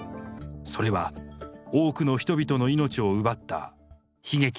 それは多くの人々の命を奪った悲劇でした。